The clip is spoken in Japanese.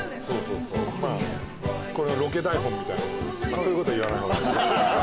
そういうこと言わない方が。